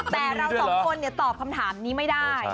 แต่เราสองคนตอบคำถามนี้ไม่ได้